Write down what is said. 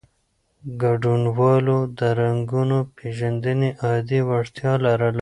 ګډونوالو د رنګونو پېژندنې عادي وړتیا لرله.